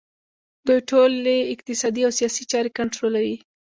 دوی ټولې اقتصادي او سیاسي چارې کنټرولوي